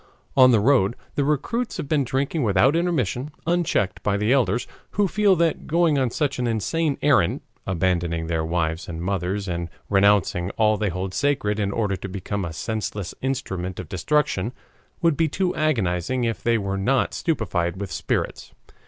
On the road the recruits have been drinking without intermission, unchecked by the elders, who feel that going on such an insane errand, abandoning their wives and mothers and renouncing all they hold sacred in order to become a senseless instrument of destruction, would be too agonizing if they were not stupefied with spirits.